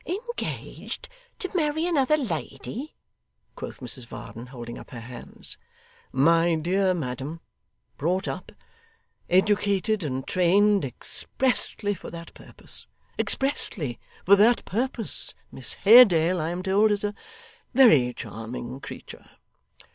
'Engaged to marry another lady!' quoth Mrs Varden, holding up her hands. 'My dear madam, brought up, educated, and trained, expressly for that purpose. Expressly for that purpose. Miss Haredale, I am told, is a very charming creature.